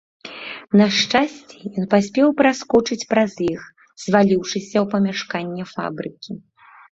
На шчасце, ён паспеў праскочыць праз іх, зваліўшыся ў памяшканне фабрыкі.